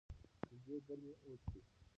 شیدې ګرمې وڅښئ.